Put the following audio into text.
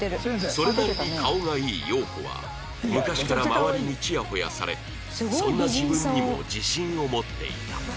それなりに顔がいい洋子は昔から周りにちやほやされそんな自分にも自信を持っていた